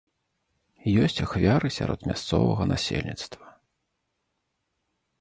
Ёсць ахвяры сярод мясцовага насельніцтва.